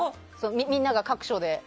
みんなが各所で。